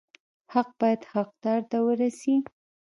حق باید حقدار ته ورسي